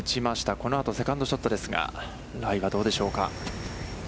この後、セカンドショットですが、ライはどうでしょうか。